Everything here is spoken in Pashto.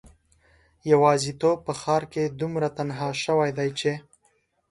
یوازیتوب په ښار کې دومره تنها شوی دی چې